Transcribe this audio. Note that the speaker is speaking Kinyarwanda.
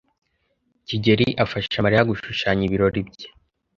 kigeli afasha Mariya gushushanya ibirori bye.